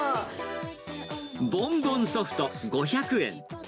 ボンボンソフト５００円。